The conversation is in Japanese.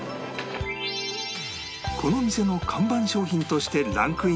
この店の看板商品としてランクインしたのが